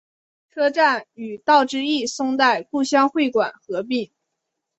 车站与道之驿松代故乡会馆合并。